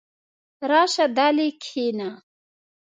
راشه دلې کښېنه!